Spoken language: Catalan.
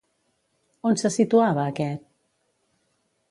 On se situava aquest?